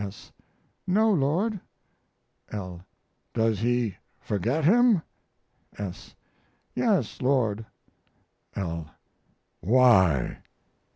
S. No, Lord. L. Does he forget him? S. Yes, Lord. L. Why?